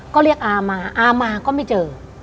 ก็เรียกอามาอามาก็ไม่เจอ